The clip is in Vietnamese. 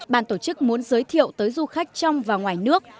bàn tổ chức muốn giới thiệu tới du khách trong và ngoài nước